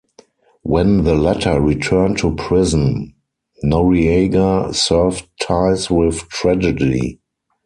When the latter returned to prison, Noreaga severed ties with Tragedy.